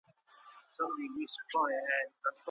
علمي تحقیق بې ارزوني نه تایید کیږي.